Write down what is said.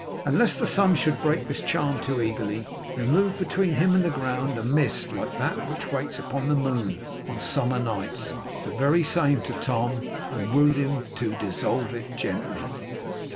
And lest the sun should break this charm too eagerly, there moved between him and the ground, a mist like that which waits upon the moon on summer nights the very same to Tom and wooed him to dissolve it gently.